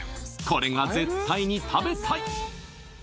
これが絶対に食べたい